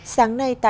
sáng nay tại công an